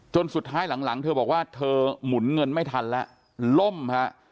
สุดท้ายหลังเธอบอกว่าเธอหมุนเงินไม่ทันแล้วล่มฮะ